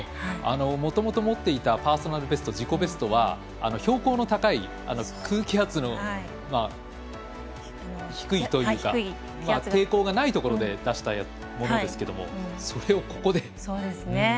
もともと持っていたパーソナルベスト、自己ベストは標高の高い空気圧の低いというか抵抗がないところで出したものですけれどもそれを、ここで。